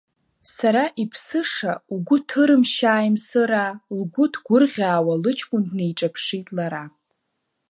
Сара иԥсыша, угәы ҭырымшьааи Мсыраа, лгәы ҭгәырӷьаауа лыҷкәын днеиҿаԥшит лара.